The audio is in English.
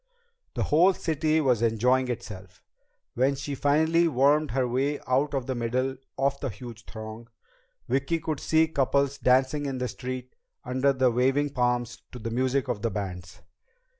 The whole city was enjoying itself. When she finally wormed her way out of the middle of the huge throng, Vicki could see couples dancing in the streets under the waving palms to the music of the bands.